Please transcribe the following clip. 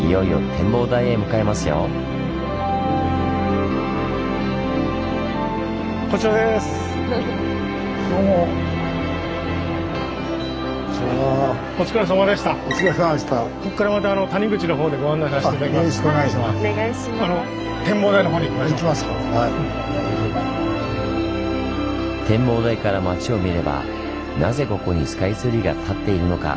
展望台から町を見れば「なぜここにスカイツリーが立っているのか？」